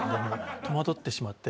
戸惑ってしまって。